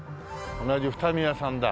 同じ二見屋さんだ